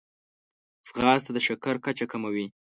ځغاسته د شکر کچه کموي